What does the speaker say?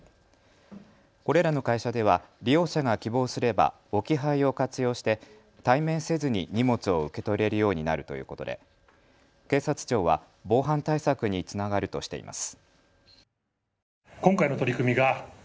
これらの会社では利用者が希望すれば置き配を活用して対面せずに荷物を受け取れるようになるということで警察庁は防犯対策につながるとしています。